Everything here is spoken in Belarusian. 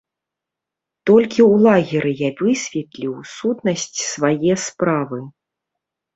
Толькі ў лагеры я высветліў сутнасць свае справы.